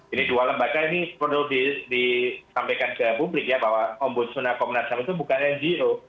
ini dua lembaga ini perlu disampaikan ke publik ya bahwa ombudsman komnas ham itu bukan ngo